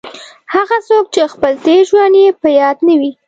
هغه څوک چې خپل تېر ژوند یې په یاد نه وي.